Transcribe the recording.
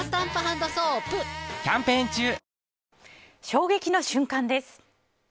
衝撃の瞬間です。